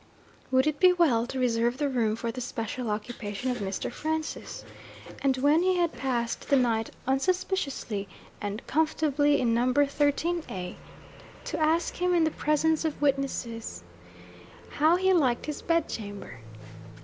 Would it be well to reserve the room for the special occupation of Mr. Francis? and when he had passed the night unsuspiciously and comfortably in 'No. 13 A,' to ask him in the presence of witnesses how he liked his bedchamber?